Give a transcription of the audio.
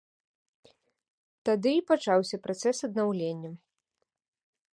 Тады і пачаўся працэс аднаўлення.